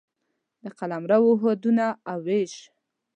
د قلمرو حدونه او وېش